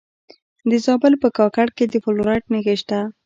د زابل په کاکړ کې د فلورایټ نښې شته.